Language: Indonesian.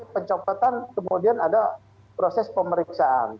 pencopotan kemudian ada proses pemeriksaan